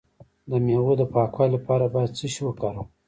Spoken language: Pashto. د میوو د پاکوالي لپاره باید څه شی وکاروم؟